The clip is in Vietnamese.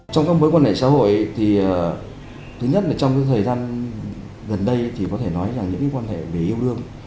trong các mối quan hệ xã hội thì thứ nhất là trong thời gian gần đây thì có thể nói rằng những quan hệ về yêu đương